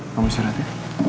kamu istirahat ya